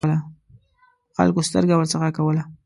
خلکو سترګه ورڅخه کوله.